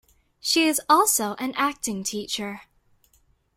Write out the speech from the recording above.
She is also an acting teacher.